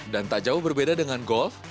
dan tak jauh berbeda dengan golf